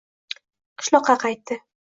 Qishloqqa qaytdi